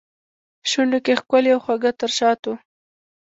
شونډو کې ښکلي او خواږه تر شاتو